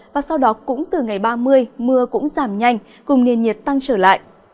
và sau đó cũng từ ngày ba mươi mưa cũng giảm nhanh cùng nền nhiệt tăng trở lại